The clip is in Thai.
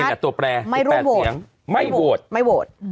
นี่แหละตัวแปล๑๘เสียงไม่โหวต